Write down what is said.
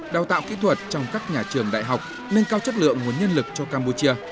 đào tạo kỹ thuật trong các nhà trường đại học nâng cao chất lượng nguồn nhân lực cho campuchia